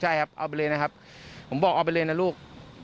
ใช่ครับเอาไปเลยนะครับผมบอกเอาไปเลยนะลูก